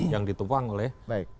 yang ditumpang oleh